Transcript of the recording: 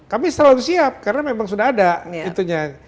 kami selalu siap karena memang sudah ada itunya